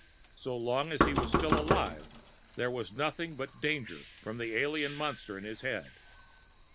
So long as he still lived, there would be nothing but danger from the alien monster in his head.